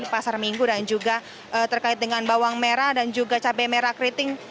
di pasar minggu dan juga terkait dengan bawang merah dan juga cabai merah keriting